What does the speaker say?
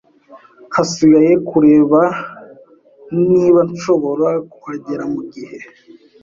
Hasigaye kurebwa niba nshobora kuhagera mugihe.